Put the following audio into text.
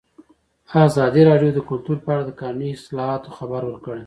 ازادي راډیو د کلتور په اړه د قانوني اصلاحاتو خبر ورکړی.